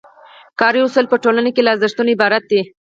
کاري اصول په ټولنه کې له ارزښتونو عبارت دي.